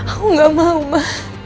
aku gak mau ma